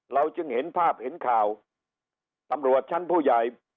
จึงเห็นภาพเห็นข่าวตำรวจชั้นผู้ใหญ่